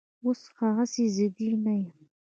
اوس هغسې ضدي نه یم